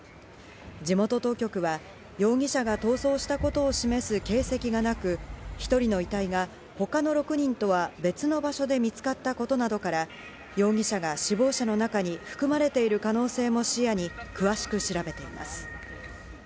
地元当局は容疑者が逃走したことを示す形跡がなく、１人の遺体が、他の６人とは別の場所で見つかったことなどから、容疑者が死亡者の中に含まれている可能性も視野に詳しく調べています。